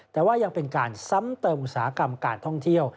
แต่ว่ายังเป็นการซ้ำเติมอุตสาหกรรมการท่องเที่ยว